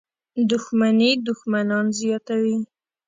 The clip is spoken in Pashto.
• دښمني دښمنان زیاتوي.